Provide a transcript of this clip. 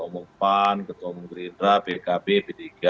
bupan ketua umum gerita pkb b tiga